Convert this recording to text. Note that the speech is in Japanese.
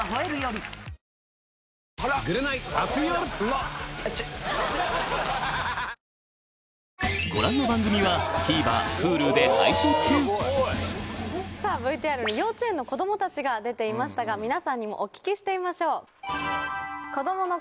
はぁご覧の番組はＴＶｅｒＨｕｌｕで配信中さぁＶＴＲに幼稚園の子どもたちが出ていましたが皆さんにもお聞きしてみましょう。